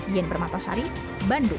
iyan permatasari bandung